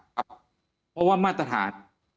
เพราะว่ามาตรฐาน